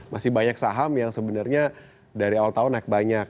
masih banyak saham yang sebenarnya dari awal tahun naik banyak